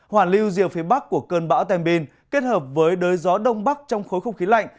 hoàn lưu rìa phía bắc của cơn bão tanbin kết hợp với đới gió đông bắc trong khối không khí lạnh